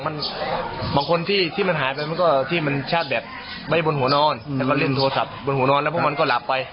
บางคนที่มันหายไปมันก็ที่มันชาติแบบไว้บนหัวนอนแล้วก็เล่นโทรศัพท์บนหัวนอนแล้วพวกมันก็หลับไป